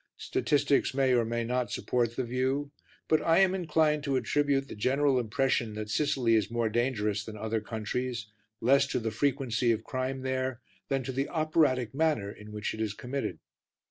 Statistics may or may not support the view, but I am inclined to attribute the general impression that Sicily is more dangerous than other countries, less to the frequency of crime there than to the operatic manner in which it is committed.